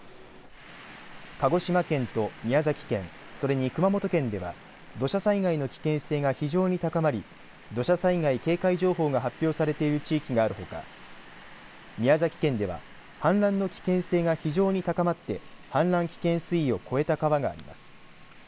鹿児島県と宮崎県それに熊本県では土砂災害の危険性が非常に高まり土砂災害警戒情報が発表されている地域があるほか宮崎県では氾濫の危険性が非常に高まって氾濫危険水位を超えた川があります。